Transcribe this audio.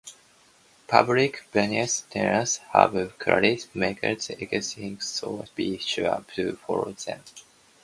Public venues typically have clearly marked exit signs, so be sure to follow them.